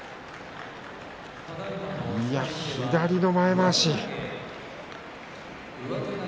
左の前まわし。